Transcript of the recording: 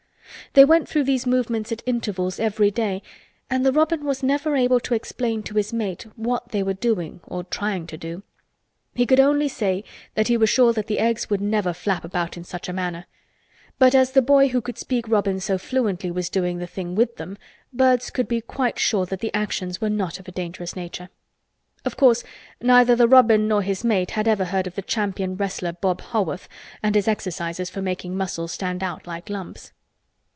They went through these movements at intervals every day and the robin was never able to explain to his mate what they were doing or tying to do. He could only say that he was sure that the Eggs would never flap about in such a manner; but as the boy who could speak robin so fluently was doing the thing with them, birds could be quite sure that the actions were not of a dangerous nature. Of course neither the robin nor his mate had ever heard of the champion wrestler, Bob Haworth, and his exercises for making the muscles stand out like lumps.